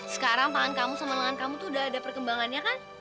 sekarang pangan kamu sama lengan kamu tuh udah ada perkembangannya kan